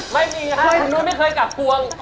ไม่มีครับคุณนุ่นไม่เคยกลับควง